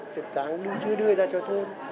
thật ra nó chưa đưa ra cho thôi